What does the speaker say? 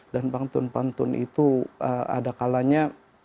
dan pantun pantun itu adakalanya